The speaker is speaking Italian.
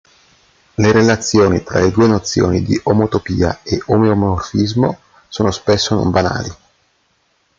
Le relazioni fra le due nozioni di omotopia e omeomorfismo sono spesso non banali.